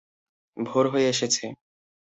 ভোর হয়ে এসেছে।